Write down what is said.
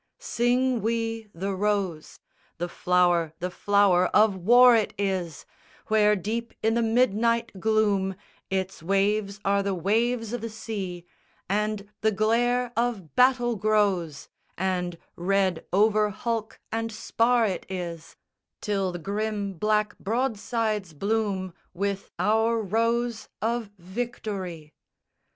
Sing we the Rose, The flower, the flower of war it is, Where deep i' the midnight gloom Its waves are the waves of the sea, And the glare of battle grows, And red over hulk and spar it is, Till the grim black broadsides bloom With our Rose of Victory.